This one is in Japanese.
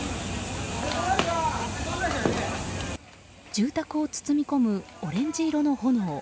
住宅を包み込むオレンジ色の炎。